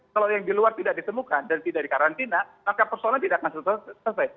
kalau yang di luar tidak ditemukan dan tidak dikarantina maka persoalan tidak akan selesai